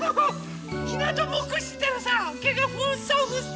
ひなたぼっこしてたらさけがふっさふっさ。